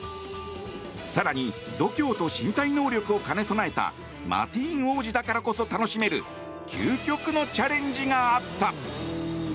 更に、度胸と身体能力を兼ね備えたマティーン王子だからこそ楽しめる究極のチャレンジがあった。